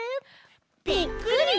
ぴっくり！